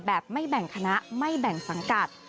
แบบไม่แบ่งคณะไม่แบ่งสังกัด